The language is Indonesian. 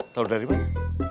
tau dari mana